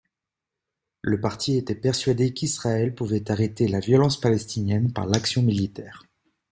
Le parti était persuadé qu'Israël pouvait arrêter la violence palestinienne par l'action militaire.